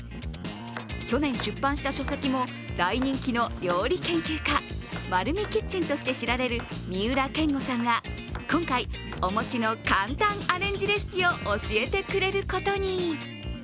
去年出版した書籍も大人気の料理研究家まるみキッチンとして知られる三浦健吾さんが今回、お餅の簡単アレンジレシピを教えてくれることに。